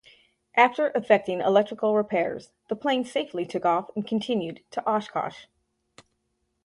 After effecting electrical repairs, the plane safely took off and continued to Oshkosh.